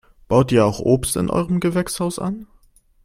Baut ihr auch Obst in eurem Gewächshaus an?